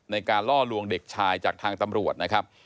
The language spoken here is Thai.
ในการล่อลวงเด็กชายจากทางตำรวจนะครับ